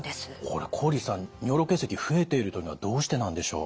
これ郡さん尿路結石増えているというのはどうしてなんでしょう？